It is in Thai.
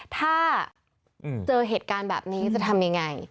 ถ้าเจอเหตุการณ์แบบนี้จะทำยังไง